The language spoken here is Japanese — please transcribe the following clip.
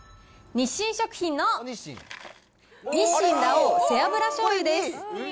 日清食品の日清ラ王背脂醤油です。